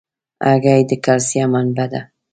هګۍ د کلسیم منبع ده.